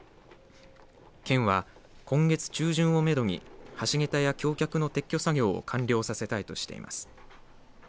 県は今月中旬をめどに橋桁や橋脚の撤去作業を完了させたいとしています。